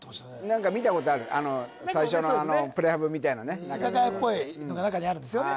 何か見たことある最初のプレハブみたいなね居酒屋っぽいのが中にあるんですよね